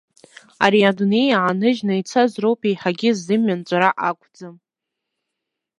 Ари адунеи ааныжьны ицаз роуп еиҳагьы зымҩа нҵәара ақәӡам.